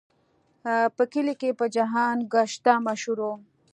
په کلي کې په جهان ګشته مشهور و.